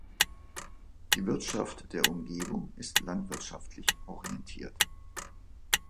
Die Wirtschaft der Umgebung ist landwirtschaftlich orientiert.